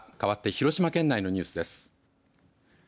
かわって広島県内のニュースです。